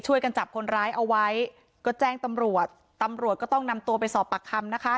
จับคนร้ายเอาไว้ก็แจ้งตำรวจตำรวจก็ต้องนำตัวไปสอบปากคำนะคะ